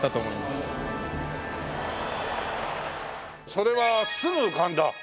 それはすぐ浮かんだ？